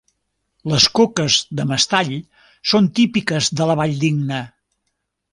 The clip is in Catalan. Les coques de mestall són típiques de la Valldigna.